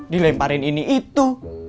dilemparin ini itu